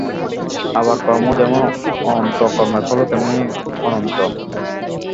আবার কর্মও যেমন অনন্ত, কর্মের ফলও তেমনি অনন্ত।